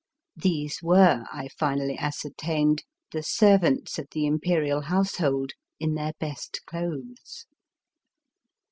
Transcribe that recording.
These were, I finally ascer tained, the servants of the Imperial household in their best clothes.